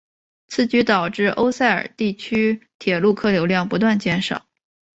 此举导致欧塞尔地区铁路客流量不断减少。